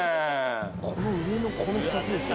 この上のこの２つですよ。